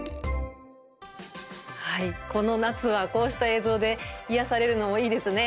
この夏はこうした映像で癒やされるのもいいですね。